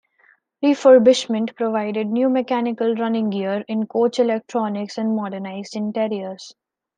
Refurbishment provided new mechanical running gear, in coach electronics and modernised interiors.